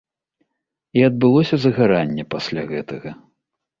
І адбылося загаранне пасля гэтага.